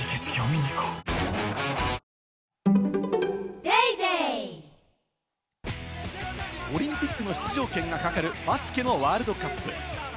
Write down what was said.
「セラムシールド」誕生オリンピックの出場権が懸かる、バスケのワールドカップ。